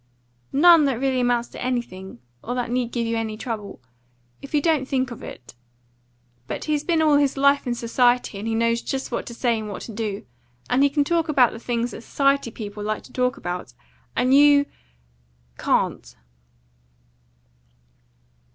"None that really amounts to anything, or that need give you any trouble, if you don't think of it. But he's been all his life in society, and he knows just what to say and what to do, and he can talk about the things that society people like to talk about, and you can't."